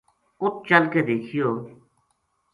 اُت چل کے دیکھیو